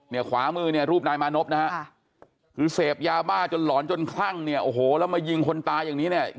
ขวามือเนี่ยรูปนายมานพนะฮะคือเสพยาบ้าจนหลอนจนคลั่งเนี่ยโอ้โหแล้วมายิงคนตายอย่างนี้เนี่ย